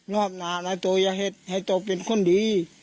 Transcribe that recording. รอบหน้านายโตอย่าเห็ดให้โตเป็นคนดี